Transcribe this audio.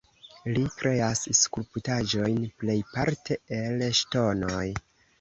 Li kreas skulptaĵojn plejparte el ŝtonoj.